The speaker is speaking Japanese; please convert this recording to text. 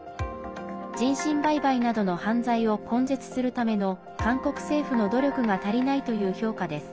人身売買などの犯罪を根絶するための韓国政府の努力が足りないという評価です。